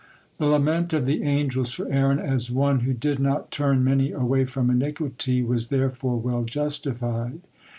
The lament of the angels for Aaron as one "who did turn many away from iniquity" was therefore well justified.